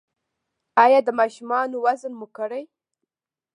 ایا د ماشومانو وزن مو کړی؟